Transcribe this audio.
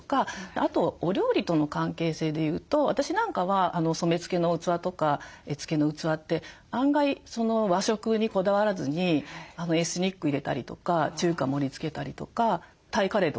あとお料理との関係性で言うと私なんかは染め付けの器とか絵付けの器って案外和食にこだわらずにエスニック入れたりとか中華盛りつけたりとかタイカレーとか入れたら